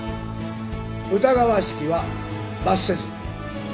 疑わしきは罰せず。